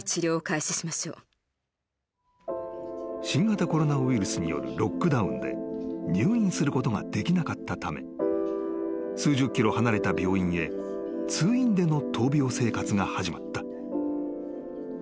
［新型コロナウイルスによるロックダウンで入院することができなかったため数十ｋｍ離れた病院へ通院での闘病生活が始まった］